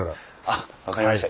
あっ分かりました。